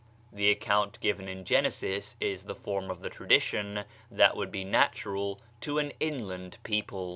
The account given in Genesis is the form of the tradition that would be natural to an inland people.